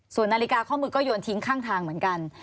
ส่วนนาฬิกาข้อมือก็โยนทิ้งข้างทางเหมือนกัน